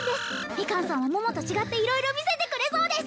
ミカンさんは桃と違って色々見せてくれそうです